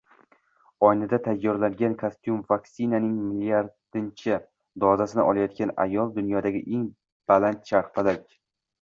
Oynada tayyorlangan kostyum, vaksinaning milliardinchi dozasini olayotgan ayol, dunyodagi eng baland charxpalak